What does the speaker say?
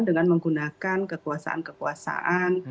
dengan menggunakan kekuasaan kekuasaan